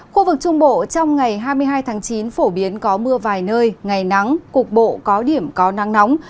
khu vực trung bộ trong ngày hai mươi hai tháng chín phổ biến có mưa vài nơi ngày nắng cục bộ có điểm có nắng nóng